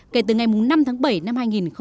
kể từ ngày năm tháng bảy năm hai nghìn một mươi chín